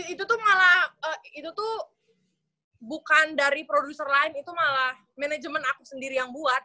itu tuh malah itu tuh bukan dari produser lain itu malah manajemen aku sendiri yang buat